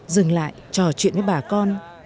dừng lại trò chuyện với bà con